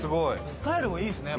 スタイルもいいですね